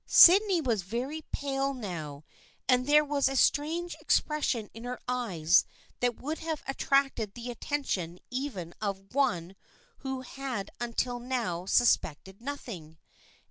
Sydney was very pale now and there was a strange expression in her eyes that would have attracted the attention even of one who had until now suspected nothing.